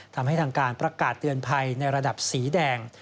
ทำให้ทางการประกาศเตือนภัยในระดับสีแดง